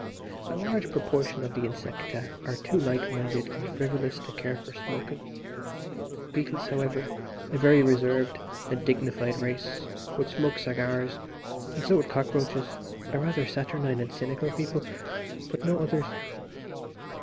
A large proportion of the insecta are too light minded and frivolous to care for smoking. Beetles, however, a very reserved and dignified race, would smoke cigars, and so would cockroaches, a rather saturnine and cynical people; but no others.